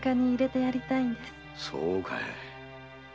そうかい。